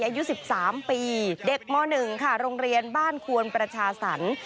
อายุสิบสามปีเด็กเมื่อหนึ่งค่ะโรงเรียนบ้านควรประชาสรรค์